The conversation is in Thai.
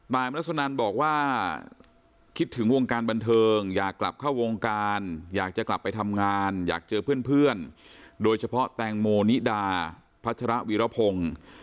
มรัสนันบอกว่าคิดถึงวงการบันเทิงอยากกลับเข้าวงการอยากจะกลับไปทำงานอยากเจอเพื่อนโดยเฉพาะแตงโมนิดาพัชระวีรพงศ์